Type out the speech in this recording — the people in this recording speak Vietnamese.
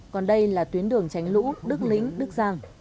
còn đây là tuyến đường tránh lũ đức lĩnh đức giang